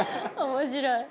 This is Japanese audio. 面白い」